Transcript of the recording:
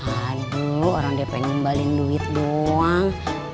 aduh orang dia pengen ngembalin duit doang